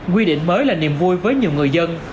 quy định mới là niềm vui với nhiều người dân